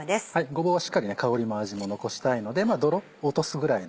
ごぼうはしっかり香りも味も残したいので泥落とすぐらいで。